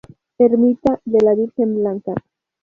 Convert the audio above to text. Ermita de la Virgen Blanca.